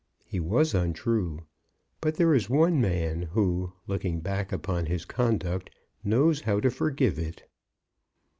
He was untrue; but there is one man, who, looking back upon his conduct, knows how to forgive it.